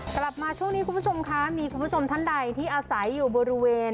กลับมาช่วงนี้คุณผู้ชมคะมีคุณผู้ชมท่านใดที่อาศัยอยู่บริเวณ